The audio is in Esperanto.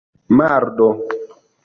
mardo